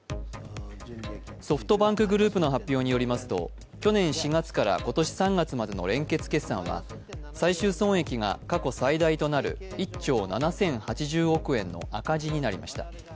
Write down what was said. ソフトバンクグループの発表によりますと去年４月から今年３月までの連結決算は、最終損益が過去最大となる１兆７０８０億円の赤字になりました。